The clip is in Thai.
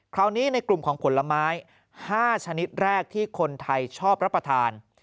ในกลุ่มของผลไม้๕ชนิดแรกที่คนไทยชอบรับประทาน